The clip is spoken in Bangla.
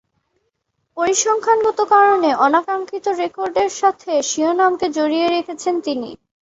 পরিসংখ্যানগত কারণে অনাকাঙ্ক্ষিত রেকর্ডের সাথে স্বীয় নামকে জড়িয়ে রেখেছেন তিনি।